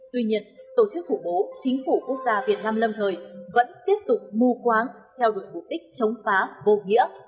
tuy nhiên tổ chức khủng bố chính phủ quốc gia việt nam lâm thời vẫn tiếp tục mù quáng theo đuổi mục đích chống phá vô nghĩa